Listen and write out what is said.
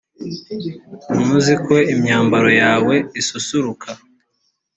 ntuzi ko imyambaro yawe isusuruka